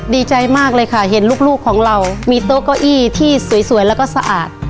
ดีใจมากเลยค่ะเห็นลูกของเรามีโต๊ะเก้าอี้ที่สวยแล้วก็สะอาด